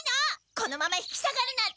このまま引き下がるなんて